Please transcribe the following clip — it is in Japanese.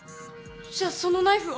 じゃあそのナイフは？